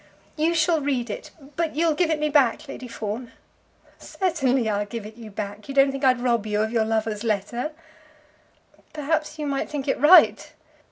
You shall read it, but you'll give it me back, Lady Fawn?" "Certainly I'll give it you back. You don't think I'd rob you of your lover's letter?" "Perhaps you might think it right."